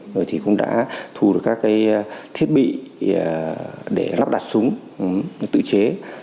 rồi cũng đã thu được các thiết bị để lắp đặt súng tự chế